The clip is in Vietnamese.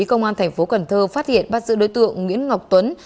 công an thành phố cần thơ phát hiện bắt giữ đối tượng nguyễn ngọc tuấn